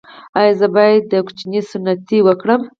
ایا زه باید د ماشوم سنتي وکړم؟